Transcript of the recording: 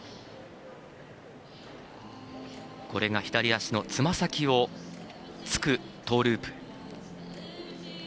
左足のつま先をつくトーループ。